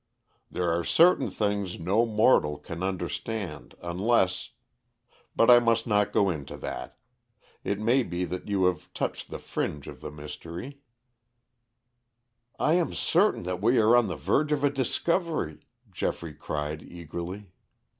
"There are certain things no mortal can understand unless ; but I must not go into that. It may be that you have touched the fringe of the mystery " "I am certain that we are on the verge of a discovery!" Geoffrey cried eagerly.